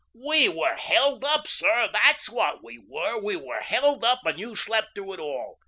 "We were HELD UP, sir, that's what we were. We were held up and you slept through it all.